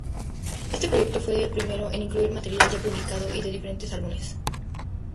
Este proyecto fue el primero en incluir material ya publicado, y de diferentes álbumes.